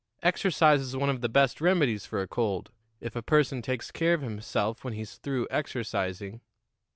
Exercise is one of the best remedies for a cold, if a person takes care of himself when he's through exercising."